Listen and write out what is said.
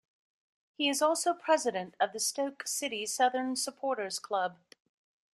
He is also president of the Stoke City Southern Supporters Club.